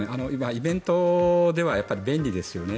イベントでは便利ですよね。